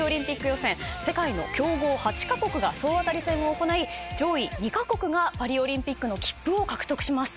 世界の強豪８カ国が総当たり戦を行い上位２カ国がパリオリンピックの切符を獲得します。